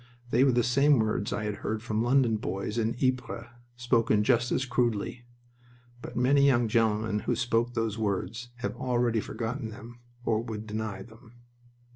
They were the same words I had heard from London boys in Ypres, spoken just as crudely. But many young gentlemen who spoke those words have already forgotten them or would deny them.